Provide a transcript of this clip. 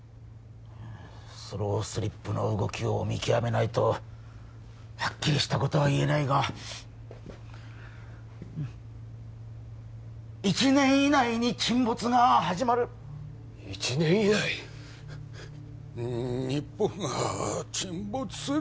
スロースリップの動きを見極めないとはっきりしたことは言えないが１年以内に沈没が始まる１年以内？に日本が沈没する！？